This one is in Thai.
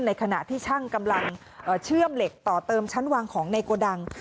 ในขณะที่ช่างกำลังเชื่อมเหล็กต่อเติมชั้นวางของในโกดัง